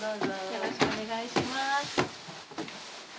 よろしくお願いします。